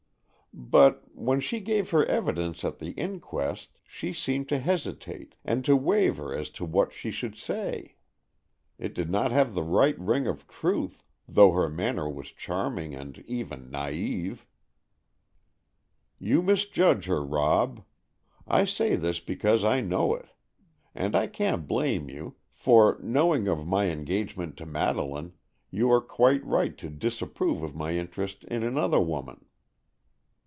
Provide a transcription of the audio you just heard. "But—when she gave her evidence at the inquest—she seemed to hesitate, and to waver as to what she should say. It did not have the ring of truth, though her manner was charming and even naïve." "You misjudge her, Rob. I say this because I know it. And I can't blame you, for, knowing of my engagement to Madeleine, you are quite right to disapprove of my interest in another woman."